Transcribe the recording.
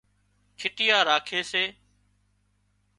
کِٽيا راکي سي